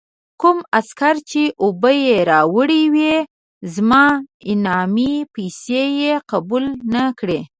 کوم عسکر چې اوبه یې راوړې وې، زما انعامي پیسې یې قبول نه کړې.